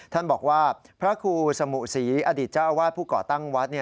ท่านบอกว่าพระครูสมุศรีอดีตเจ้าอาวาสผู้ก่อตั้งวัด